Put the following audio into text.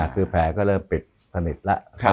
ก็เลยไปปิดสนิทแล้ว